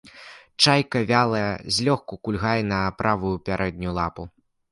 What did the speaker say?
Чайка вялая, злёгку кульгае на правую пярэднюю лапу.